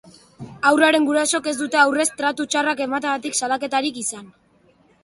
Haurraren gurasoek ez dute aurrez tratu txarrak emateagatik salaketarik izan.